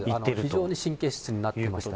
非常に神経質になっていますね。